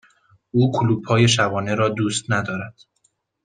او کلوپ های شبانه را دوست ندارد.